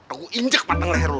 aduh gua injek pateng leher lu